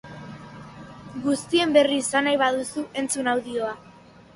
Guztien berri izan nahi baduzu, entzun audioa.